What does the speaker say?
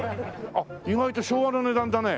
意外と昭和の値段だね。